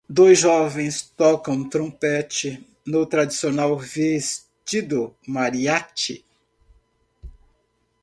Dois jovens tocam trompete no tradicional vestido mariachi.